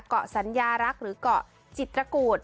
เกาะสัญญารักษ์หรือเกาะจิตระกูล